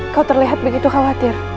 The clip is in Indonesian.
kau terlihat begitu khawatir